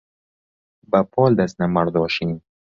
بەپۆل دەچنە مەڕدۆشین